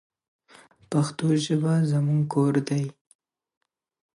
پښتو ژبه زموږ کور دی.